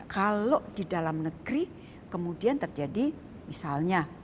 kalau di dalam negeri kemudian terjadi misalnya